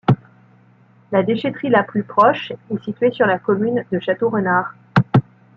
La déchèterie la plus proche est située sur la commune de Château-Renard.